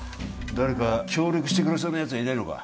誰か協力してくれそうなやつはいないのか？